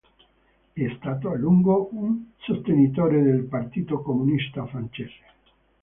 È stato a lungo un sostenitore del Partito Comunista Francese.